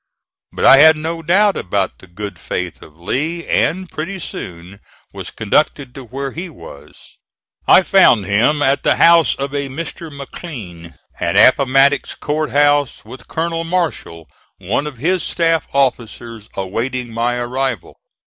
But I had no doubt about the good faith of Lee, and pretty soon was conducted to where he was. I found him at the house of a Mr. McLean, at Appomattox Court House, with Colonel Marshall, one of his staff officers, awaiting my arrival.